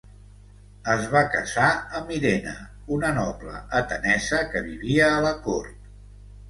Es va casar amb Irene, una noble atenesa que vivia a la cort.